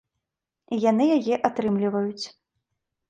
І яны яе атрымліваюць.